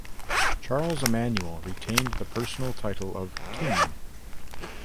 Charles Emmanuel retained the personal title of King.